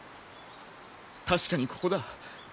確かにここだ。